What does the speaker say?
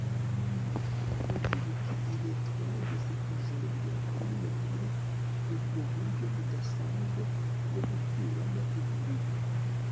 uribuka igihe twagize ijoro rya firime kuri ubwo buryo budasanzwe bwo gukuramo uburiri